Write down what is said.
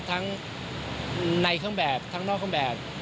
ทั้งในเครื่องแบบทั้งนอกเครื่องแบบ